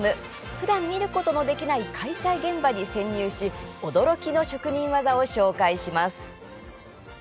ふだん見ることのできない解体現場に潜入し驚きの職人技を紹介します。